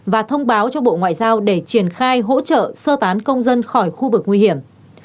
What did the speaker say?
và thông báo cho bộ ngoại giao để triển khai hỗ trợ sơ tán công dân khỏi khu vực nguy hiểm